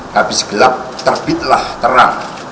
habis gelap terbitlah terang